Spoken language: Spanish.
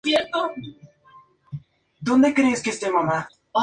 Se establecieron varias sesiones y castings.